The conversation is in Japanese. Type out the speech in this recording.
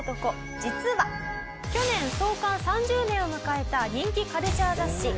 実は去年創刊３０年を迎えた人気カルチャー雑誌えっ？